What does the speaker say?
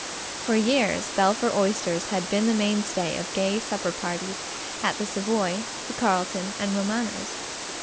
For years Belpher oysters had been the mainstay of gay supper parties at the Savoy, the Carlton and Romano's.